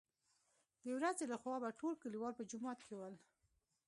دورځې له خوا به ټول کليوال په جومات کې ول.